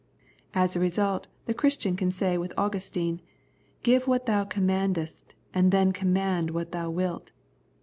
'^^ As a result, the Christian can say with Augustine :" Give what Thou commandest and then command what Thou wilt."